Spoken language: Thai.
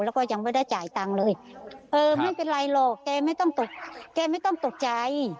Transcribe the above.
แล้วก็ยังไม่ได้จ่ายตังค์เลยเออไม่เป็นไรหรอกแกไม่ต้องตกแกไม่ต้องตกใจ